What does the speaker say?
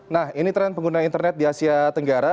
nah ini tren pengguna internet di asia tenggara